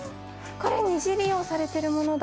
これ二次利用されてるものだ！